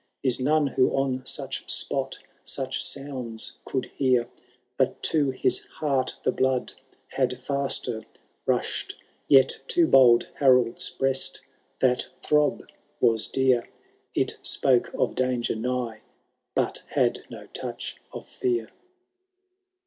Is none who on such spot such sounds could hear But to his heart the blood had faster rushed ; Yet to bold Harold*s breast that throb was dear — It spoke of danger nigh, but had no touch of fear.